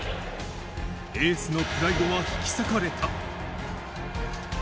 エースのプライドは引き裂かれた。